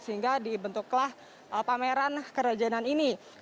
sehingga dibentuklah pameran kerajinan ini